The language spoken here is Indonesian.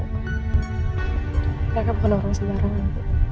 mereka bukan orang sembarangan